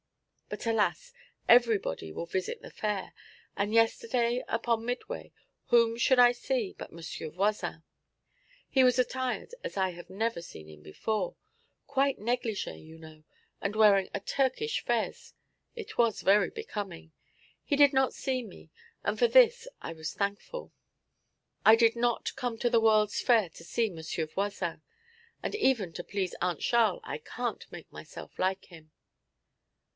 but, alas! everybody will visit the Fair; and yesterday, upon Midway, whom should I see but M. Voisin! He was attired as I have never seen him before, quite négligée, you know, and wearing a Turkish fez. It was very becoming. He did not see me, and for this I was thankful. I did not come to the World's Fair to see M. Voisin, and even to please Aunt Charl I can't make myself like him.'